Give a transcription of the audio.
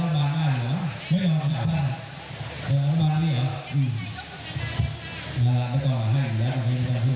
ค่ะบักก่อนให้แล้ว